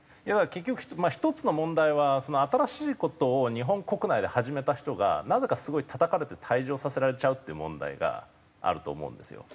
結局一つの問題は新しい事を日本国内で始めた人がなぜかすごいたたかれて退場させられちゃうという問題があると思うんですよ。